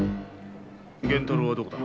源太郎はどこだ？